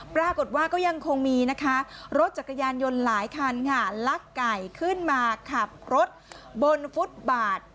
ปรากฏว่าก็ยังคงมีนะคะรถจักรยานยนต์หลายคันค่ะลักไก่ขึ้นมาขับรถบนฟุตบาท